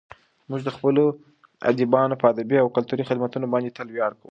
موږ د خپلو ادیبانو په ادبي او کلتوري خدمتونو باندې تل ویاړ کوو.